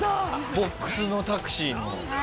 ボックスのタクシーの。